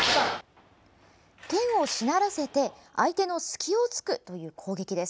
剣をしならせて相手の隙を突くという攻撃です。